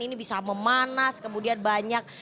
ini bisa memanas kemudian banyak